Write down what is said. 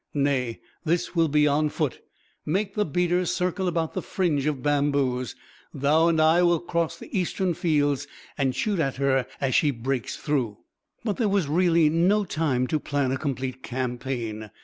"Nay, this will be on foot. Make the beaters circle about the fringe of bamboos. Thou and I will cross the eastern fields and shoot at her as she breaks through." But there was really no time to plan a complete campaign.